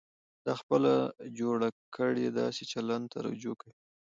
دا خپله جوړ کړي داسې چلند ته رجوع کوي.